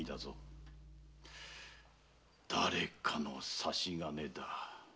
誰かの差し金だ。